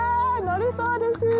乗るそうです！